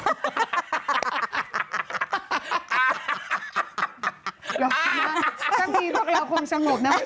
หรอกนะถ้ามีพวกเราคงสงบนะไอ้ดำนะ